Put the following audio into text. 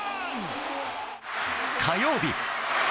火曜日。